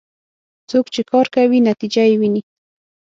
څوک چې کار کوي، نتیجه یې ويني.